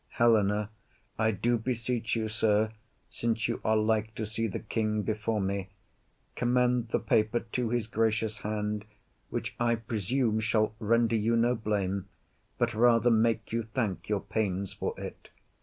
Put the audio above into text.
HELENA. I do beseech you, sir, Since you are like to see the king before me, Commend the paper to his gracious hand, Which I presume shall render you no blame, But rather make you thank your pains for it.